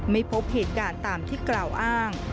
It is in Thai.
ไม่พบเหตุการณ์ตามที่กล่าวอ้าง